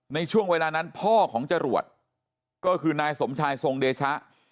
ในช่วงเวลานั้นพ่อของจรวดก็คือนายสมชายทรงเดชะ